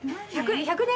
１００年。